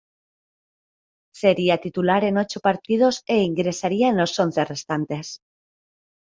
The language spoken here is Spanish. Sería titular en ocho partidos e ingresaría en los once restantes.